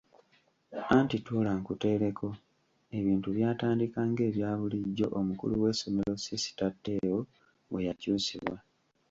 Anti tuula nkuteereko; ebintu byatandika ng'ebya bulijjo omukulu w'essomero sisita Teo bwe yakyusibwa.